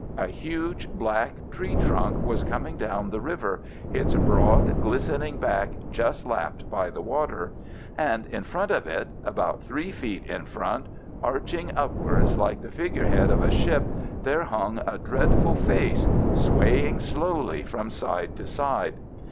A huge black tree trunk was coming down the river, its broad glistening back just lapped by the water. And in front of it—about three feet in front—arching upwards like the figure head of a ship, there hung a dreadful face, swaying slowly from side to side.